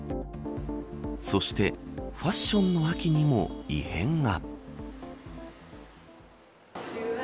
そしてファッションの秋にも異変が。